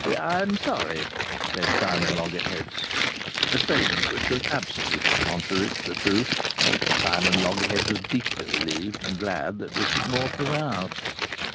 "I'm sorry!" said Simon Loggerheads. A statement which was absolutely contrary to the truth. Simon Loggerheads was deeply relieved and glad that Richard Morfe was out.